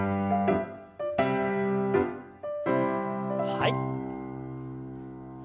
はい。